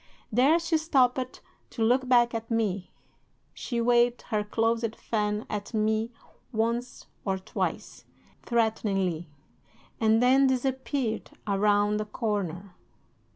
There she stopped to look back at me. She waved her closed fan at me once or twice, threateningly, and then disappeared around a corner.